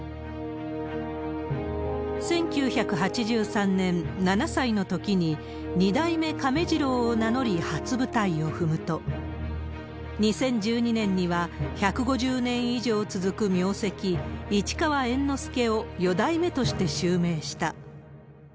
１９８３年、７歳のときに、二代目亀治郎を名乗り、初舞台を踏むと、２０１３年には、１５０年以上続く名跡、市川猿之助を四代目として襲名した。